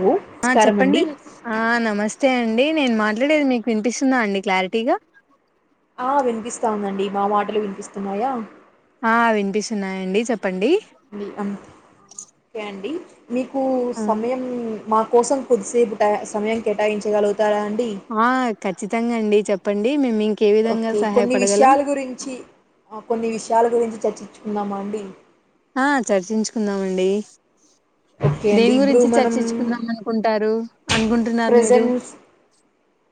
Hello ఆ నమస్కారం అండి చెప్పండి న్ ఆ నమస్తే అండి. నేను మాట్లాడేది మీకు వినిపిస్తుందా అండి. క్లారిటీగా ఆ వినిపిస్తాందండి మా మాటలు వినిపిస్తున్నాయా. ఆ వినిపిస్తున్నాయంండి. చెప్ ఉమ్ అం కే అండి మీకు ఆ సమయం మాక్ కోసం కొద్దిసేపు సమయం కేటాయించగలుగ్ ఆ ఖచ్చితంగా అండి చెప్ పండి మేం మిక్ ఓకే కొన్ని విష్యాల్ గురించి. ఆ కొన్ని విషయాల గురించి చర్చించు కున్నామండీ ఆ చర్చించుకుందామండి. ఓకే దేని అండి గురించి చర్చించుకుందాం అనుకుంటారు. అనుకుంటున్నారు మీరు ప్రెజెంట్స్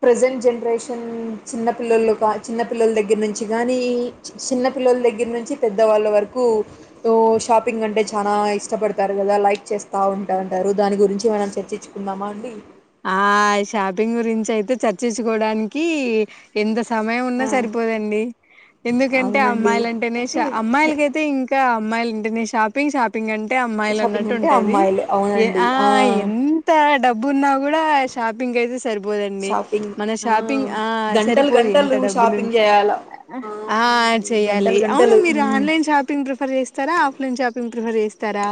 ప్రెసెంట్ జన్రేషన్ చిన్నపిల్లలు కా చిన్న పపిల్లల దగ్గర నుంచి గానీ చిన్న పిల్లల దగ్గర నుంచి, పెద్దవాళ్ళ వరకు ఓ షాపింగ్ అంటే చానా ఇష్టపడతారు కదా. లైక్ చేస్త ఉంటా అంటారు. దాని గురించి మనం చర్చించుకుందామా అండి? ఆ షాపింగ్ గురించి అయితే చర్చించుకోవడానికి ఎంత స్ సమయం ఉన్న ఆ సరిపోదండి. ఎందుకంటే ఆ అవునండి అమ్మాయిల అంటేనే అంటే షా. అమ్మాయిలకైతే ఇంకా. మ్మాయిలు అంటేనే షాపింగ్, షాప్ ప్పింగ్ అంటే అమ్మాయిలు షాపింగ్ అన్నట్టు అంటే ఉంటాది. అమ్మాయిలు ఏ అవునండి ఆ ఎంత డబ్ బున్నా కూడా షాపింగ్ అయితే సరిపోదండి షాపింగ్ మన ఆ షాపింగ్ ఆ గంటలు సరిపోదు ఎంత గంటలు డబ్బులు షాపింగ్ చేయాల ఆ అవునండి చేయాలి గంటలు అవును గంటలు మీరు ఉమ్. ఆన్లైన్ షాపింగ్ ప్రిఫర్ చేస్తారా ఆఫ్లైన్ షాపింగ్ ప్రిఫర్ చేస్తారా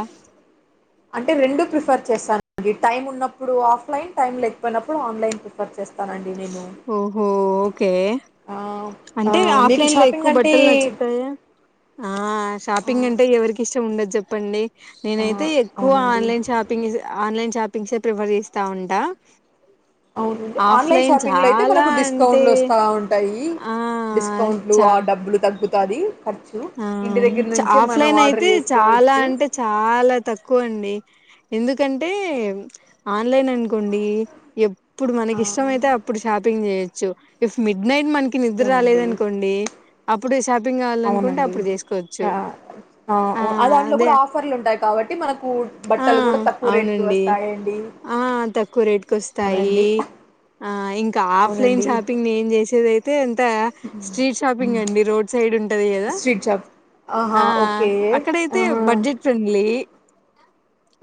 అంటే రెండు ప్రిఫర్ చేస్తానండి టైమ్ ఉన్నప్పుడు ఆఫ్లైన్ టైం లేకపోయినప్పుడు ఆన్లైన్ ప్రిఫర్ చేస్ ఓహో ఓకే ఆహ్, అంటే ఆహ్, మీకు ఆఫ్లైన్ లో షాపింగ్ ఎక్కువ అంటే బట్టలు నచ్చుతాయా ఆ ఆహ్, షాపింగ్ అంటే ఎవరికి ఇస్ ఇష్టం ఉండదు చెప్పండి నేనైతే ఆహ్, ఎక్కువ అవునండి. ఆన్లైన్ షాపింగ్ చెస్ ఆన్లైన్ షాపింగ్స్యె ప్రిఫర్ చేస్తా ఉంటా అవునండి ఆ ఆన్లైన్ ఆఫ్లైన్ షపింగ్లో అయితే చాలా మనకు అంటే డికౌంట్లు వస్తా ఉంటాయి టయి ఆ డిస్కౌంట్లు చా ఆ డబ్బులు తగ్గు కది ఆ ఆఫ్లైన్ ఆర్డర్ అయితే చాలా జేసుకోవచ్చు. అంటే చాలా తక్కువ అండి ఎందుకంటే ఆ ఆన్లైన్ అనుకోండి ఎప్పుడు ఆ! మనకి ఇష్టం అయితే అప్పుడు షాపింగ్ చేయ చు ఇఫ్ మిడ్ మిడ్ నైట్ మనకి నిద్ర అవునండి. రాలేదనుకోండి అప్పుడు స తినాలాం అవునండి. అప్పుడు చేసుకోవచ్చు ఆహ్, ఆ ఓ దాంట్లో అదే గూడా ఆఫర్లుంటాయి కాబట్టి మనకు ఆ బట్టలు గూడా తక్కువ రేట్‌కి అవునండి వస్తాయండి. ఆ తక్కువ రేట్ కొస్తాయి అవునండి ఆ ఇంకా ఆఫ్లైన్ అవునండి షాపింగ్ ఏ చేసేద్ తే త స్ట్రీట్ షాపింగ్ అండి రోడ్ సైడ్ ఉంటది కదా స్ట్రీట్ షాప్ ఆహా ఆ ఓకే అక్కడైతే ఆహా బడ్జెట్ ఫ్రెండ్లీ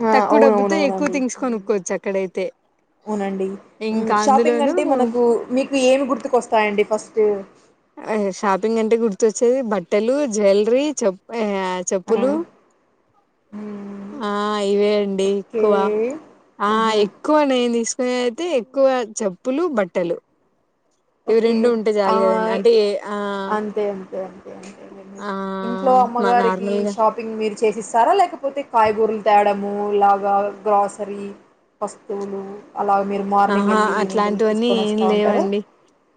ఆ తక్కువ డబ్బుతో ఎక్కువ అవునవునవునండి థింగ్స్ ఉమ్ కొనుక్కోవచ్చు అక్కడైతే అవునండి ఉమ్ ఇంకా షాపింగ్ అందులోనూ అంటే మనకు మీకు ఏమి గుర్తుకొస్తాయండి ఫస్ట్ ఆ షాపింగ్ అంటే గుర్తుచ్చేది బట్టలు జ్యువెలరీ చెప్ ఆ ఆ చెప్పులు హ్మ్. ఆ ఇవే అం డి ఓకే ఎక్కువ ఆ ఆహా ఎక్కువ నేను తీసు నేనైతే ఎక్కువ చెప్పులు బట్టలు ఇవి ఓకే రెండు ఉంటే ఆ చాలు కదండి అంటే ఏ- ఆ అంతే అంతే అంతే అంతే ఆ ఇంట్లో మా అమ్మగారికి నార్మల్గా షాపింగ్ మీర్ చేసిస్తారా లేకపోతే కాయగూరలు తేడము ఈలాగా గ్రాసరీ వస్తువులు అలాగ మీరు మార్నింగ్ ఆహా వెళ్ళి ఈవినింగ్ వెళ్ళి అట్లాంటివన్నీ తీసుకొని ఏం వస్తా ఉంటారా లేవండి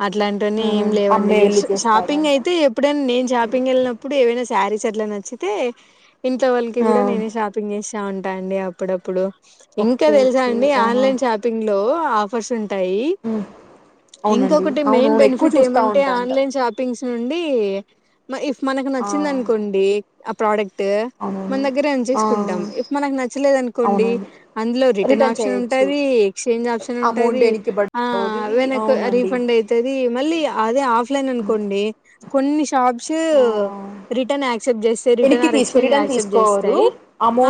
అట్లాంటివన్నీ ఏం లేవండి జస్ట్ షాపింగ్ చేస్తాదంట అయితే ఎప్పుడైనా నేను షాపింగ్ వెళినప్పుడు ఏవ సారిస్ అట్లా నచ్చితే ఇంట్లో వాళ్ళకి ఆ కూడా నేనే షాపింగ్ చేసి ఉంటాండి అప్పుడప్పుడు ఇంకా ఓకే తెలుసా ఓకే అండి ఆహా ఆన్లైన్ షాపింగ్ లో ఆఫర్స్ ఉం టాయి ఉమ్ అవునండి ఇంకొకటి మెయిన్ అవునవును ఎక్కువ బెనిఫిట్ చూస్తా ఏమంటే ఉంటాంట ఆన్లైన్ షాపింగ్స్ నుండి ఇఫ్ మనకు ఆ నచ్చిందినుకోండి ఆ ప్రోడక్ట్ మన అవునవును దగ్గరే ఆ ఉంచేసుకుంటాం ఇఫ్ మనకు నచ్చలేదు అనుకోండి అవునవును అందులో రిటర్న్ ఆప్షన్ ఉంటది ఆప్షన్ అమౌంట్ ఉంటది వెనక్కి ఆ పడది వెనక అవునండి రిఫండ్ అయితది మళ్ళీ అదే ఆఫ లే హ్మ్. అనుకోండి కొన్ని షాప్స్ ఆ రిటర్న్ యాక్సెప్ట్ చేస్తా రిటర్న్ వెనక్కి ఆర్ తీసుకో ఎక్స్చేంజ్ రిటర్న్ యాక్సెప్ట్ తీసుకోరు చేస్తాయి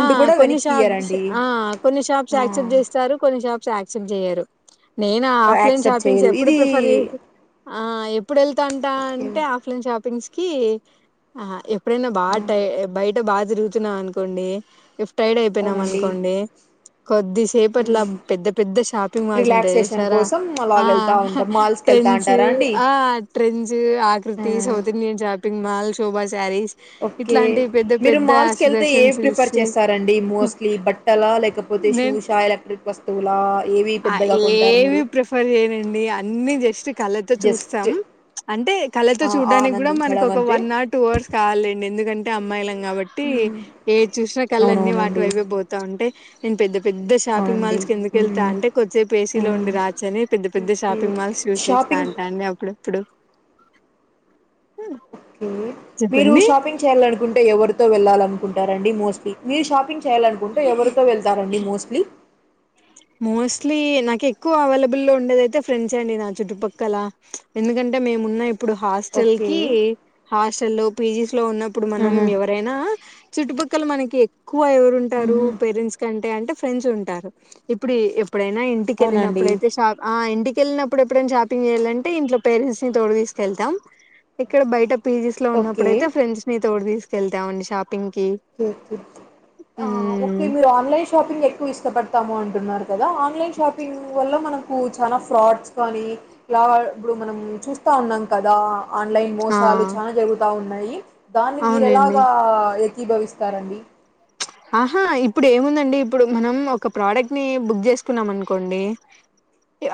ఆ కూడా కొన్ని వెనక్కి షాప్స్ ఇయ్యరండి ఆ కొన్ని షాప్స్ యాక్సెప్ట్ చేస్తారు కొన్ని షాప్ యాక్సెప్ట్ చేయ్యరు నేను ఆఫ్లైన్ యాక్సెప్ట్ షాపింగ్స్ చేయరు ఎప్పుడు ఇది ప్రిఫర్ చేయలేదు ఆ ఎప్ ఎప్పుడు ఎల్తంటా ఓకే అంటే ఆఫ్లైన్ షాప్ ఆ ఇప్ ఎప్పుడైనా బా టై బయట్ బాగా తిరుగుతున్నా అనుకోండి ఇఫ్ టైడ్ అయిపోయినాం అవునండి అనుకోండి కొద్దిసేపు అట్లా పెద్ద పెద్ద షాపింగ్ మాల్స్ ఉంటాయి రిలాక్సేషన్ చూసారా కోసం అలాగ ఆ వెళ్తా హ ఉంటాం మాల్స్కి వెళ్తా ట్రెండ్స్ అంటారా అండి ఆ ట్రెండ్స్ ఆకృతి south Indian shop ping mall Shobha sarees okay మీరు మాల్స్కి వెళ్తే ఏ సుదర్శన్ సిల్క్స్ ప్రిఫర్ చేస్తారంండి మోస్ట్లీ బట్టల లేకపోతే నేను షూషా ఎలక్ట్రిక్ వస్తు ఆ ఏవి ప్రిఫర్ చేయనండి అన్ని న్ని జస్ట్ కళ్ళతో చూస్తాం జస్ట్ అంటే కళ్ళతో చూడ్డానికి కూడా మనకు ఆనందించడం ఒక అంతే వన్ హవర్ టూ హవర్స్ కావాల్లేండి ఎందుకంటే అమ్మాయిలం కాబట్టీ ఏది చూసినా కళ్ళు అన్నీ అవునవునండి వాటివైపే పోతా ఉంటాయి నేను పెద్ద పెద్ద షాపింగ్ అవునండి మాల్స్ ఎళ్తా అంటే కొద్దిసేపు ఏసీలో ఉండి రావచ్చని పెద్ద పెద్ద ఓకే షాపింగ్ మాల్స్ చూసేస్తా షాపింగ్ అంటాండి అప్పుడు ప్పుడు మ్మ్ ఊ మీరు షాపింగ్ చేయ్యాలనుకుంటే ఎవరితో వెళ్ళాలను కుంటారండి మోస్ట్లీ మీరు షాపింగ్ చేయాలనుకుంటే ఎవరితో వెళ్తారండి మోస్ట్లీ మోస్ట్లీ నాకు ఎక్కువ అవైలబుల్ ఉండేదైతే ఫ్రెండ్సే అండి నా చుట్టుపక్కల ఎందుకంటే మేమున్నా ఇప్పుడు హాస్టల్ ఓకే కి హాస్టల్ లో పీజీస్ లో ఉన్నప్పుడు మనం ఆహా ఎవరైనా చుట్టుపక్ కానీ మనకి ఎక్కువ ఎవరు ఉంటారు ఊహూ పేరెంట్స్ కంటే అంటే ఫ్రెండ్స్ ఉంటారు ఇప్పుడు ఎప్ ఏప్పుడైనా అవునండి ఇంటికెళ్ళినప్పుడైతే షా ఆ ఇంటి ఎళ్ళినప్పుడు ఎప్పుడైనా షాపింగ్ చేయాలంటే ఇంట్లో పరెంట్స్ ని తోడు తీసుకెళ్తాం ఇక్కడ బయట పీజీస్ లో ఓకే ఉన్నప్పుడుడయితే ఫ్రెండ్స్ ని తోడు తీసుకెళ్తామండి షాప్ ఆ ఓకే మ్మ్ మీరు ఆన్లైన్ షాపింగ్ ఎక్కువ ఇష్టపడ్ ఇస్తాము అంటున్నారు కదా ఆన్లైన్ షాపింగ్ వల్ల మనకు చాలా ఫ్రాడ్స్ కానీ లా ఇప్పుడు మనం చూస్తా ఉన్నాం కదా ఆన్లైన్ ఆ మోసాలు చానా జరుగుతా ఉన్నాయి దాన్ని మీరు అవునులేండి ఎలాగా ఏకీభవిస్తారండి ఆహా ఇప్పుడు ఏముందండి ఇప్పుడు మనం ఒక ప్రోడక్ట్ ని బుక్ చేసుకున్నాం అనుకోండి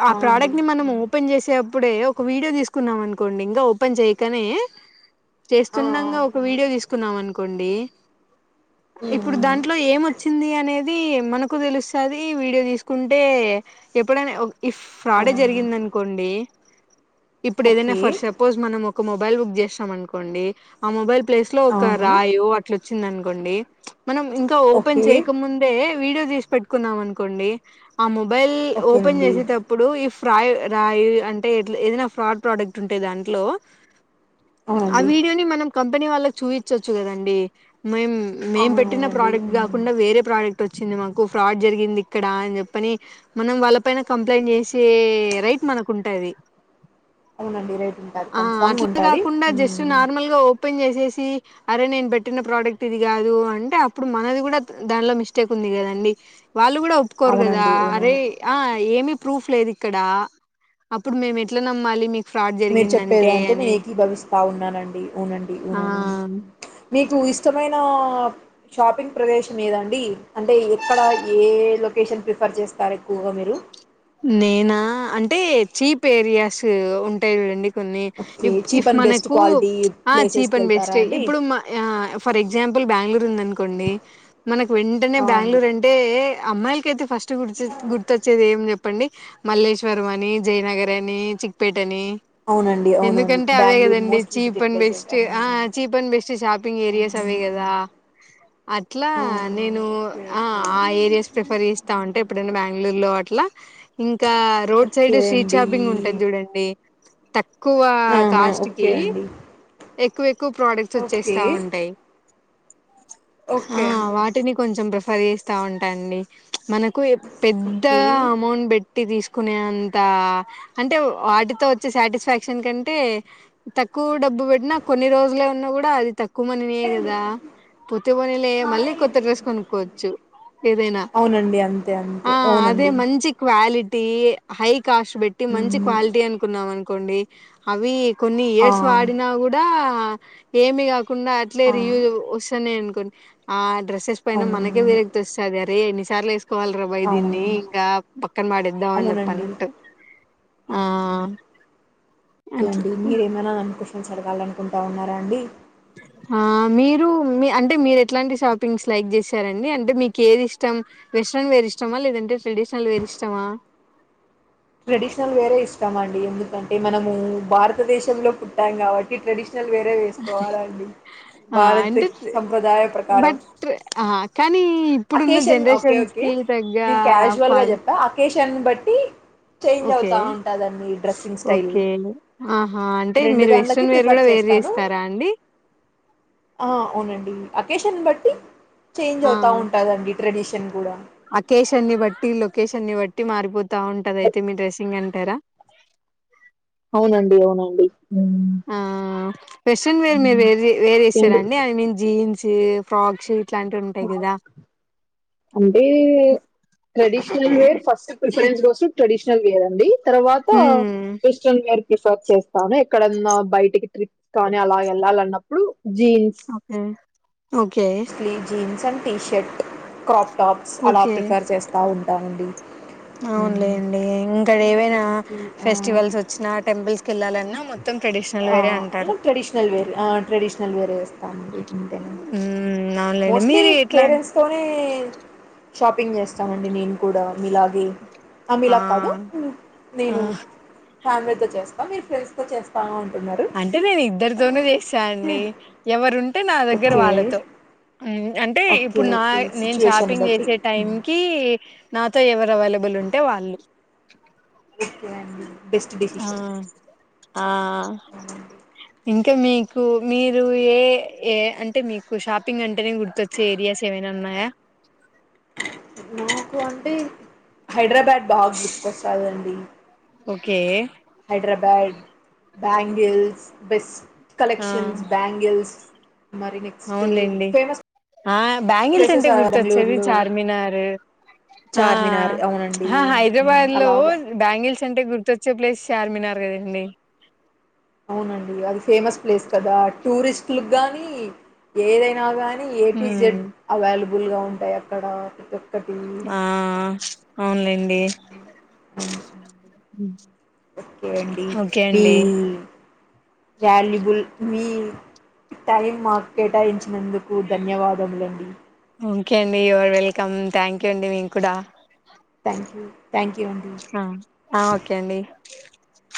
ఆ అండి ప్రోడక్ట్ ని మనం హ్మ్. ఓపెన్ చేసే ఇప్పుడు ఎదోఒక వీడియో తీసుకున్నాం అనుకోండి ఇంకా ఓపెన్ చేయకనే ఆ ఆ చేస్తుండగా ఒక అవును వీడియో తీసుకున్నాం అనుకో కొండి మ్మ్ ఇప్పుడు మ్మ్ దాంట్లో ఏం వచ్చింది అనేది ఇది మనకు తెలుస్తాది వీడియో తీసుకుంటే ఎప్పుడైనా ఓ ఈ ఫ్రాడే అవునండి జరిగింది అనుకోండి ఇప్పుడు ఏదైనా ఓకే ఫర్ సపోజ్ మనం ఒక మొబైల్ బుక్ చేస్తాం అనుకోండి ఆ మొబైల్ ప్లేస్ లో ఒక అవును రాయో అట్లా చిన్నది అనుకోండి మనం ఇంకా ఓపెన్ ఓకే చేయకముందే వీడియో తీసి పెట్టుకున్నాం అనుకోండి ఆ మొబై మొబైల్ ఓపెన్ ఓకేనండి చేసేటప్పుడు ఇఫ్ ఫ్రయ్ రాయి అంటే ఇట్లా ఏదన్నా ఫ్రాడ్ ప్రోడక్ట్ ఉంటే దాంట్లో ఆ అవునండి వీడియోని మనం కంపెనీ వాళ్ళకు చూయించచ్చు కదండీ. మేం మేం పెట్ పెట్టిన అవునవునండి ప్రోడక్ట్ మ్మ్ కాకుండా వేరే ప్రోడక్ట్ వచ్చింది మాకు ఫ్రాడ్ జరిగింది ఇక్కడ అని చెప్పని మనం వాళ్ళ పైన కంప్లైంట్ చేసే రైట్ మనకుంటది. అవునండి రైట్ ఉంటది కన్ఫామ్గా అట్లా ఉంటాది. గాకుండా హ్ జస్ట్ నార్మల్‌గా ఓపెన్ చేసేసి అరే నేను పెట్టిన ప్రోడక్ట్ ఇది కాదు అం టే అప్పుడు మనది కూడా దానిలో మిస్టేక్ ఉంది కదండి. వాళ్ళు కూడా ఒప్పుకోరు కదా అవునండి అరే అవునవును ఆ ఏమి ప్రూఫ్ లేదు ఇక్కడా అప్పుడు మేము ఎట్లా నమ్మాలి మీకు ఫ్రాడ్ మీరు చెప్పే జరిగిందంటే దాంతో నేను అని. ఏకీభవిస్తా ఉన్నానండి అవునండి అవునవును. ఆ! మీకు ఇష్టమైన షాపింగ్ ప్రదేశం ఏదండి. అంటే ఎక్కడ ఏ లొకేషన్ ప్రిఫర్ చేస్తారు ఎక్కువగా మీరు. నేనా అంటే చీప్ ఏరియాస్ ఉంటయి చూడండి. కొన్ని okay if cheap if and best మనకు క్వాలిటీ ఆ చీప్ ప్లేసెస్కి అండ్ బెస్ట్. వెళ్తారా అండి ఇప్పుడు ఆ ఫర్ ఎగ్జాంపుల్ బ్యాంగళూరు ఉందనుకోండి మనకు వెంటనే ఆ అండి బ్యాంగళూరు అంటే అమ్మాయిలకైతే ఫస్ట్ గుర్తు గుర్తొచ్చేది ఎం చెప్పు చెప్పండి మల్లేశ్వరం అని, జయనగర్ అని, చిక్పేట్ అని అవునండి అవునవును ఎందుకంటే అవే బెంగళూరు కదండి most cheap visited and places best. ఆ అవునవును cheap and best shopping areas అవే కదా అట్లా అవును నేను ఓకే ఆ ఓకే ఏరియాస్ ప్రిఫర్ చేస్తాంటే ఎప్పుడన్నా బ్యాంగళూర్లో అట్లా. ఇం ఇంకా రోడ్ సైడ్ ఓకే స్ట్రీట్ అండి షాపింగ్ ఉంటది చూడండి. తక్కువ ఆహా కాస్ట్ కి ఓకే అండి ఎక్కువ ఎక్కువ ప్రొడక్ట్స్ ఓకే వచ్చేస్తా ఉంటాయి. ఆ ఓకే అండి వాటిని కొంచెం ప్రిఫర్ ఫర్ చేస్తా ఉంటా అండి. మనకు ఎ పెద్దా ఓకే ట్టి తీసుకునేంత అంటే వాటితో వచ్చే సాటిస్ఫాక్షన్ కంటే తక్కువ డబ్బు పెట్టినా కొన్ని రోజులే ఉన్నా కూడా అది తక్కు వ మనినే కదా పోతే పోనిలే మళ్ళీ కొత్త డ్రెస్ కొనుక్కోవచ్చు ఏదైనా. అవునండి అంతే ఆ అంతే అదే అవునండి మంచి క్వాలిటీ హైక్ కాస్ట్ పెట్టి మంచి మ్మ్. క్వాలిటీ అనుకున్నాం అను కొండి అవీ కొన్ని ఆ ఇయర్స్ వాడినా కూడా ఏమిగా కాకుండా అట్లే ఆ రియూజ్ వస్తానే అను ఆ డ్రెసెస్ పైన మనకే అవునవును విరక్తి వస్తాది అరే సార్ల ఏ కోవాలరా బై దిన్ని అవునవును ఇంకా పక్కన పాడేదాం అని అవునండి చెప్పనట్టు ఆ అట్ చదవలనుకుంటా ఉన్నారా అండి మీరు మీ అంటే మీరు ఎట్లాంటి షాపింగ్స్ లైక్ చేశారండి అంటే మీకు ఏది ఇష్టం వెస్ట్రన్ వేర్ ఇష్టమా లేదంటే ట్రెడిషనల్ వేర్ ఇష్టమా ట్రెడిషనల్ వేరే ఇష్టం అండి ఎందుకంటే మనము భారతదేశంలో పుట్టాం కాబట్టి ట్రెడిషనల్ [unintelligible] వేరేగా వేసుకోవాలండి ఆ భారత అంటే సంప్రదాయ ప్రకారం బట్ ఆ కానీ ఇప్పుడున్న ఆక్కేషన్లు ఒకే జనరేషన్స్ కి తగ్గ ఒకేనేను కేసువల్ గా ఫల్ చెప్పిన చెంబట్టి చేంజ్ ఓకే అవుతా ఉంటాడండీ డ్రెస్సింగ్ స్టైల్ ఓకే ఆహా అంటే రెండు మీరు దానిలకి వెస్ట్రన్ వేర్ ప్రిఫర్ కూడా వేర్ చేస్తాను చేస్తారా అండి అవునండి అకేషన్ బట్ ట్టి చేంజ్ అవుతా ఉంటాదండి ట్రెడిషన్ కూడా అకేషన్ని బట్టి లొకేషన్ని బట్టి మారిపోతా ఉంటది అయితే మీ డ్రెస్సింగ్ అంటారా అవునండి అవునండి ఉమ్. ఆ వెస్ట్రన్ వేర్ మీరు వేరే వేరే వేస్తారండి ఇంకేంటి ఐ మీన్ జీన్స్ చిగా ఫ్ర్రాక్ షీట్ ఇట్లాంటివి ఉంటాయి గాదా అంటే ట్రెడిషనల్ వేర్ ఫస్ట్ ప్రిఫరెన్స్ కోసం ట్రెడిషనల్ వేర్ అండి తర్వాత హ్మ్ వెస్ట్రన్ వేర్ ప్రిఫర్ చేస్తాను ఎక్కడన్నా బయటికి ట్రిప్స్ కానీ అలా వెళ్ళాలన్నప్పుడు జీన్స్ ఓకే ఓకే స్లీ jeans some T shirt crop tops అలా ఓకే ప్రిఫర్ చేస్తా ఉంటానండి అవునులేండి ఇంకాఏవైనా ఓకే ఆ, ఫెస్టివల్స్ వచ్చినా టెంపుల్స్ కి వెళ్ళాలన్నా మొత్తం ట్రెడిషనల్ ఆ వేరే అంటారు ట్రెడిషనల్ వేర్ ఆ ట్రెడిషనల్ వేర్ వేస్తాండి అంతే మ్మ్ అవునులేండి మోస్ట్లీ మీరు ఎట్లా పేరెంట్స్తోనే షాపింగ్ చేస్తానండి నేను కూడా మీలాగే ఆ ఆమెలాగ కాదు ఆ నేను ఫ్యామిలీతో చేస్తా మీరు ఫ్రెండ్స్ తో చేస్తా ఉంటా అంటే నేను ఇద్దరితోను చేస్తానండి ఎవరుంటే నా దగ్గర ఓకే వాళ్ళతో అం అంటే ఓకే ఇప్పుడు నా ఓకే నేను సిచ్యువేషన్ షాపింగ్ బట్టి చేసే టైంకి నాతో ఎవరెవ అవైలబుల్ ఉంటే వాళ్ళు ఓకే అండి బెస్ట్ డెసిషన్ ఆ ఆ [inaudible] ఇంకా మీకు మీరు ఏ ఏ అంటే మీకు షాపింగ్ అంటేనే గుర్తొచ్చే ఏరియాస్ ఏమైనా ఉన్నాయా నాకు అంటే హైడ్రాబాడ్ బాగా గుర్తుకొస్తాదండి ఓకే హైడ్రాబ్యాడ్ బ్యాంగిల్స్ బెస్ట్ ఆ కలెక్షన్స్ బ్యాంగిల్స్ మరి నెక్స్ట్ అవునులేండి ఫేమస్ ఆ బ్యాంగిల్స్ ప్లేసెస్ అంటే గుర్తొచ్చేది బెంగళూరులో చార్మినార్ చార్మినార్ అవునండి ఆ హ్మ్. హైదరాబాద్ లో అలాగా బ్యాంగిల్స్ అంటే గుర్తొచ్చే ప్లేస్ చార్మినార్ కదండి అవునండి అది ఫేమస్ ప్లేస్ కదా టూరిస్ట్లుగ్గానీ ఏదైనా గాని కానీ A to hmm Z available గా ఉంటాయి అక్కడ ప్రతి ఒక్కటి ఆన్లైన్ కే ఓకే అండి ఓకే మీ అండి వాల్యుబుల్ మీ టైం మాకు కేటాయించినందుకు ధన్యవాదములండి. ఓకే అండి యూఆర్ వెల్కమ్ థ్యాంక్ యూ అండి మీకూడా. Thank you. థ్యాంక్ యూ అండి ఆ ఓకే అండి. [inaudible]